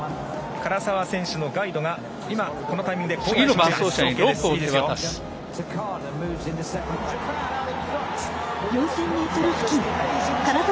唐澤選手のガイドが今このタイミングで交代しました。